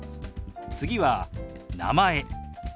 次は「名前」。